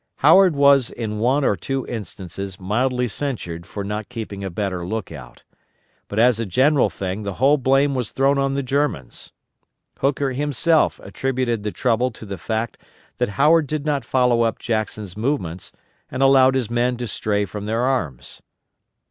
Howard was in one or two instances mildly censured for not keeping a better lookout, but as a general thing the whole blame was thrown on the Germans. Hooker himself attributed the trouble to the fact that Howard did not follow up Jackson's movements, and allowed his men to stray from their arms.